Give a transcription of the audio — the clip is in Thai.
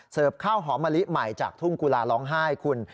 ข้าวหอมมะลิใหม่จากทุ่งกุลาร้องไห้คุณ